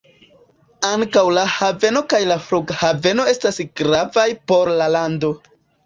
Ankaŭ la haveno kaj la flughaveno estas gravaj por la lando.